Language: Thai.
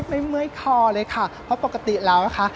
เมื่อยคอเลยค่ะเพราะปกติแล้วนะคะ